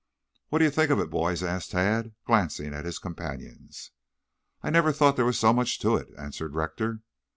"What do you think of it, boys?" asked Tad, glancing at his companions. "I never thought there was so much to it," answered Rector.